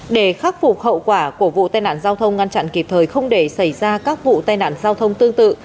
để khắc phục hậu quả của vụ tai nạn giao thông ngăn chặn kịp thời không để xảy ra các vụ tai nạn giao thông tương tự